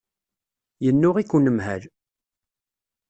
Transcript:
Yennuɣ-ik unemhal.